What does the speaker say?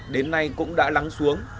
đến nay cũng đã lắng xuống